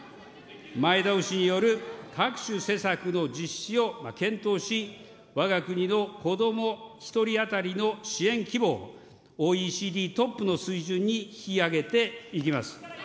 前倒しによる各種施策の実施を検討し、わが国の子ども１人当たりの支援規模をＯＥＣＤトップの水準に引き上げていきます。